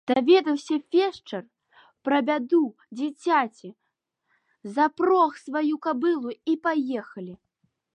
Даведаўся фельчар пра бяду дзіцяці, запрог сваю кабылу, і паехалі.